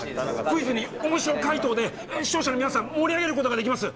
クイズにオモシロ解答で視聴者の皆さん盛り上げることができます！